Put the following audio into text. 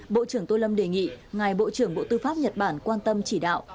bộ trưởng tô lâm đề nghị ngài bộ trưởng bộ tư pháp nhật bản quan tâm chỉ đạo